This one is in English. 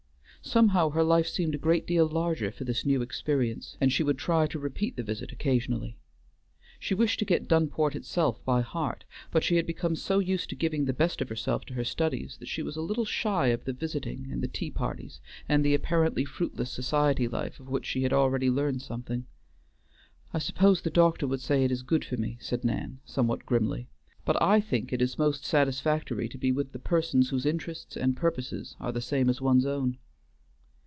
Somehow her life seemed a great deal larger for this new experience, and she would try to repeat the visit occasionally. She wished to get Dunport itself by heart, but she had become so used to giving the best of herself to her studies, that she was a little shy of the visiting and the tea parties and the apparently fruitless society life of which she had already learned something. "I suppose the doctor would say it is good for me," said Nan, somewhat grimly, "but I think it is most satisfactory to be with the persons whose interests and purposes are the same as one's own."